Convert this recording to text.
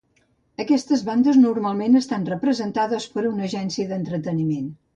Aquestes bandes normalment estan representades per una agència d'entreteniment.